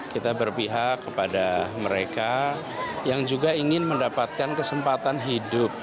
kita berpihak kepada mereka yang juga ingin mendapatkan kesempatan hidup